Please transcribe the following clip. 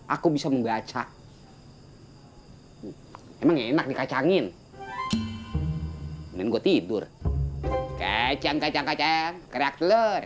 aku bisa membaca hai emang enak dikacangin menunggu tidur kecantik aja kacang kerak telur